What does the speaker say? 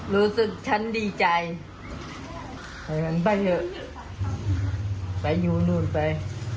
รู้สึกฉันดีใจไปอยู่นู่นไป